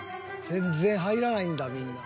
［全然入らないんだみんな］